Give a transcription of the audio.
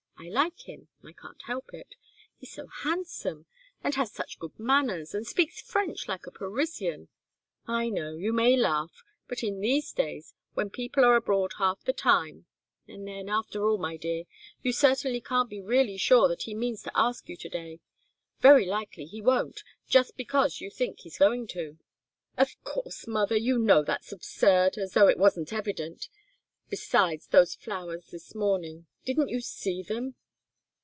I like him I can't help it. He's so handsome, and has such good manners, and speaks French like a Parisian. I know you may laugh but in these days, when people are abroad half the time and then, after all, my dear, you certainly can't be really sure that he means to ask you to day. Very likely he won't, just because you think he's going to." "Of course, mother, you know that's absurd! As though it wasn't evident besides, those flowers this morning. Didn't you see them?"